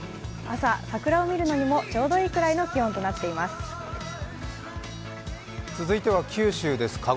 朝、桜を見るのにも、ちょうどいいくらいの気温となっています。